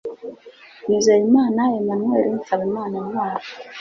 nizeyimana emmanuel nsabimana ntwali